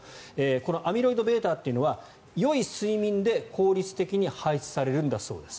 このアミロイドβというのはよい睡眠で効率的に排出されるんだそうです。